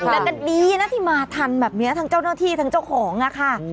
แล้วก็ดีนะที่มาทันแบบนี้ทั้งเจ้าหน้าที่ทั้งเจ้าของอะค่ะ